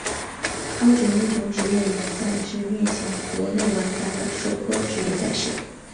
超神英雄职业联赛是面向国内玩家的首个职业赛事。